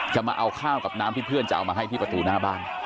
มาเอาข้าวกับน้ำที่เพื่อนจะเอามาให้ที่ประตูหน้าบ้าน